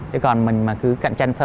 chứ còn mình mà cứ cạnh tranh